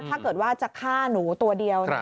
ถ้าเกิดว่าจะฆ่าหนูตัวเดียว